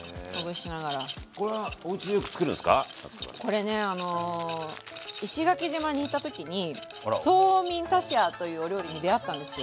これね石垣島に行った時にソーミンタシヤーというお料理に出会ったんですよ。